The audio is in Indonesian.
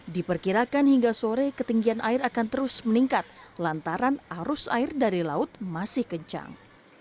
diperkirakan hingga sore ketinggian air akan terus meningkat lantaran arus air dari laut masih kencang